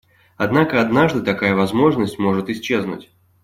Однако однажды такая возможность может исчезнуть.